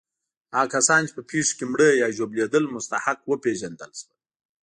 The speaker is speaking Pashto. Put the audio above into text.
هغه کسان چې په پېښو کې مړه یا ژوبلېدل مستحق وپېژندل شول.